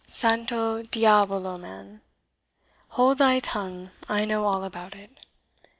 Santo Diavolo, man, hold thy tongue, I know all about it!"